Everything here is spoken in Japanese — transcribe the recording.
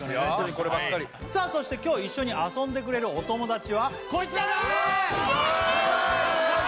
こればっかりさあそして今日一緒に遊んでくれるお友達はこいつらだー！やーっ！